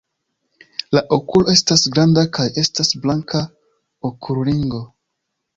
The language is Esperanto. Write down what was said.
La okulo estas granda kaj estas blanka okulringo.